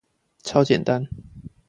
超簡單